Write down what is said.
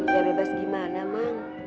ya bebas gimana mang